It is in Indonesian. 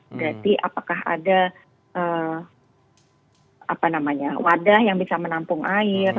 berarti apakah ada wadah yang bisa menampung air